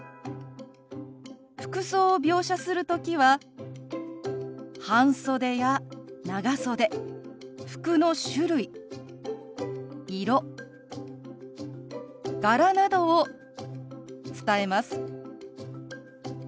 服装を描写する時は半袖や長袖服の種類色柄などを伝えます。